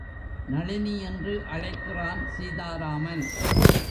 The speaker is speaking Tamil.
நளினி என்று அழைக்கிறான் சீதாராமன்.